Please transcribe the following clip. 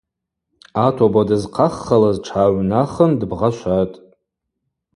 Атоба дызхъаххылыз тшгӏагӏвнахын дбгъашватӏ.